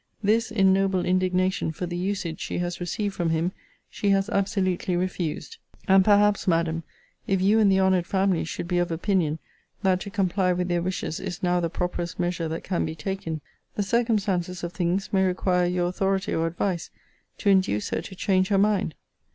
This, in noble indignation for the usage she has received from him, she has absolutely refused. And perhaps, Madam, if you and the honoured family should be of opinion that to comply with their wishes is now the properest measure that can be taken, the circumstances of things may require your authority or advice, to induce her to change her mind.